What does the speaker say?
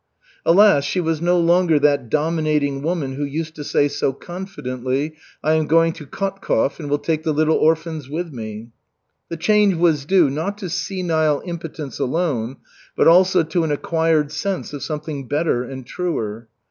Alas, she was no longer that dominating woman who used to say so confidently: "I am going to Khotkov and will take the little orphans with me." The change was due, not to senile impotence alone, but also to an acquired sense of something better and truer.